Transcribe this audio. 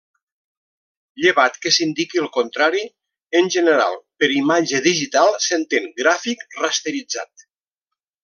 Llevat que s'indiqui el contrari en general per imatge digital s'entén gràfic rasteritzat.